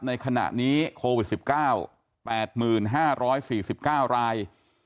ในขณะนี้โควิด๑๙๘๕๔๙ราย